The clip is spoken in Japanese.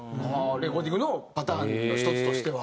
レコーディングのパターンの１つとしては？